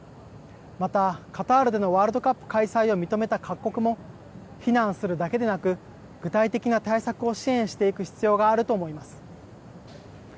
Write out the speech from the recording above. また、カタールでのワールドカップ開催を認めた各国も、非難するだけでなく、具体的な対策を支援していく必要があると思います。